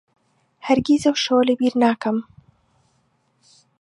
هەرگیز ئەو شەوە لەبیر ناکەم.